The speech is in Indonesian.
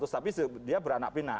tapi dia beranak pina